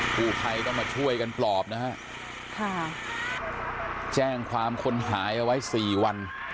ผู้ภัยต้องมาช่วยกันปลอบนะฮะค่ะแจ้งความคนหายเอาไว้สี่วัน